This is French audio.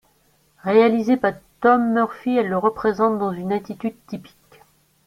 Réalisée par Tom Murphy, elle le représente dans une attitude typique.